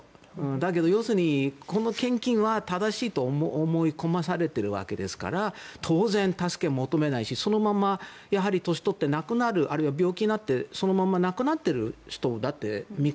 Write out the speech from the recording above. だけど、要するにこの献金は正しいと思い込まされているわけですから当然、助けを求めないしそのまま年を取って亡くなる、あるいは病気になってそのまま亡くなっている人